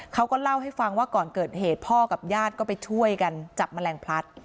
เขาก็เล่าให้ฟังว่าก่อนเกิดเหตุพ่อกับญาติก็ไปช่วยกันจับแมลงพลัด